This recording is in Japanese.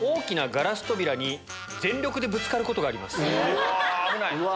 うわ危ない！